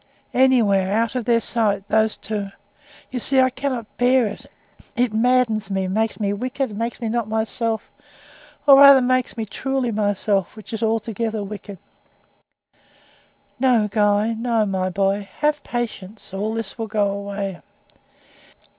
"Anywhere out of their sight those two. You see, I cannot bear it. It maddens me makes me wicked makes me not myself. Or rather makes me truly MYSELF, which is altogether wicked." "No, Guy no, my own boy. Have patience all this will pass away."